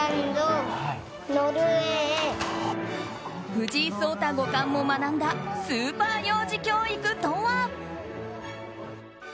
藤井聡太五冠も学んだスーパー幼児教育とは。